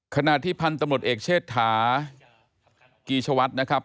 ขณะที่พันธุ์ตำรวจเอกเชษฐากีชวัฒน์นะครับ